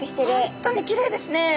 本当にきれいですね。